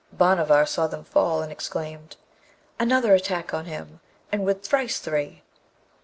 Bhanavar saw them fall, and exclaimed, 'Another attack on him, and with thrice three!'